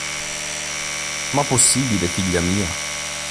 Ma possibile, figlia mia?